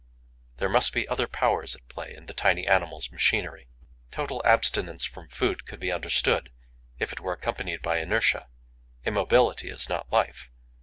There must be other powers at play in the tiny animal's machinery. Total abstinence from food could be understood, if it were accompanied by inertia: immobility is not life.